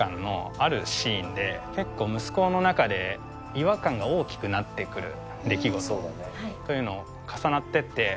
結構息子の中で違和感が大きくなってくる出来事というのが重なっていって。